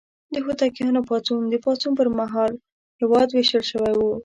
د هوتکیانو پاڅون: د پاڅون پر مهال هېواد ویشل شوی و.